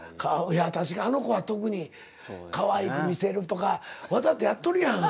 いや確かにあの子は特にかわいく見せるとかわざとやっとるやん。